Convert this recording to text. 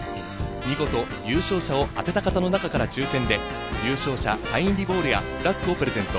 見事、優勝者を当てた方の中から抽選で優勝者サイン入りボールやフラッグをプレゼント。